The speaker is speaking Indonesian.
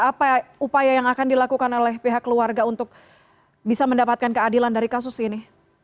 apa upaya yang akan dilakukan oleh pihak keluarga untuk bisa mendapatkan keadilan dari kasus ini